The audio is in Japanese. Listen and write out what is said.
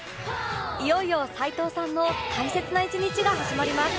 いよいよ齊藤さんの大切な１日が始まります